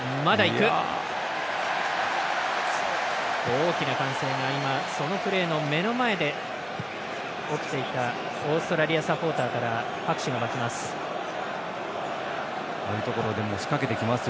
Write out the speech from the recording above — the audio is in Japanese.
大きな歓声がそのプレーの目の前で起きていたオーストラリアサポーターから拍手が沸きます。